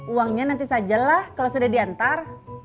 uangnya nanti sajalah kalau sudah diantar